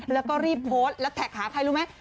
แล้วก็รีบโพสต์แล้วแท็กหาใครรู้ไหม